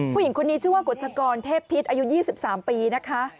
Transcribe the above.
ผู้หญิงคนนี้ชื่อว่ากฎชกรเทพทิศอายุ๒๓ปีนะคะ